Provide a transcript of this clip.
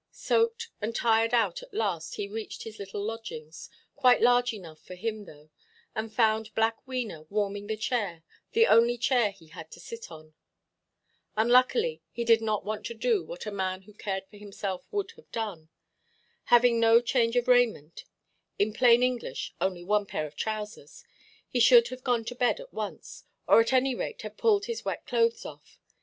Soaked and tired out at last, he reached his little lodgings—quite large enough for him, though—and found Black Wena warming the chair, the only chair he had to sit on. Unluckily, he did not do what a man who cared for himself would have done. Having no change of raiment—in plain English, only one pair of trousers—he should have gone to bed at once, or at any rate have pulled his wet clothes off.